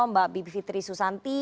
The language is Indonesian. mbak bipitri susanti